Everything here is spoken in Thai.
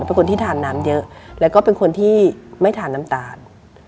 เป็นคนที่ทานน้ำเยอะแล้วก็เป็นคนที่ไม่ทานน้ำตาล